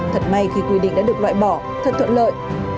thật may khi quy định đã được loại bỏ thật thuận lợi